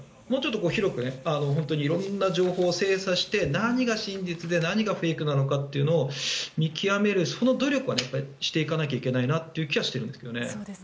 もうちょっと広く色んな情報を精査して何が真実で何がフェイクなのかというのを見極めるその努力はしていかないといけないなという気がしてるんですけどね。